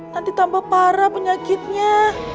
nanti tambah parah penyakitnya